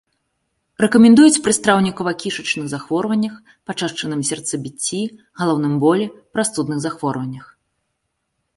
Рэкамендуюць пры страўнікава-кішачных захворваннях, пачашчаным сэрцабіцці, галаўным болі, прастудных захворваннях.